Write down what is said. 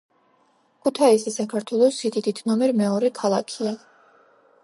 ქუთაისი საქართველოს სიდიდით ნომერ მეორე ქალაქია